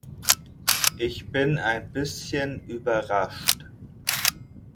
Ich bin ein bisschen überrascht.